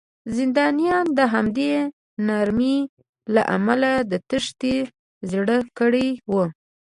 زندانیانو د همدې نرمۍ له امله د تېښتې زړه کړی و